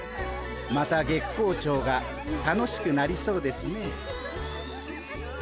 また月光町が楽しくなりそうですね。